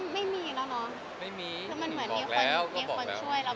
ไม่ได้เป็นอย่างนั้นนะคะ